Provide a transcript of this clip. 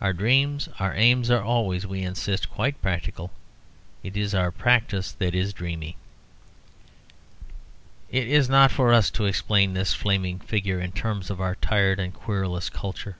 Our dreams, our aims are always, we insist, quite practical. It is our practice that is dreamy. It is not for us to explain this flaming figure in terms of our tired and querulous culture.